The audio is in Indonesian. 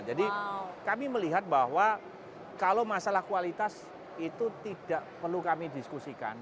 jadi kami melihat bahwa kalau masalah kualitas itu tidak perlu kami diskusikan